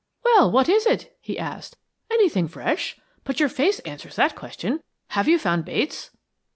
"Well, what is it?" he asked. "Anything fresh? But your face answers that question. Have you found Bates?"